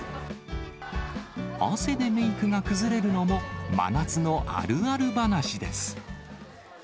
汗でメークが崩れるのも、真夏のあるある話です。